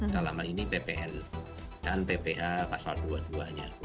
dalam hal ini ppn dan pph pasal dua duanya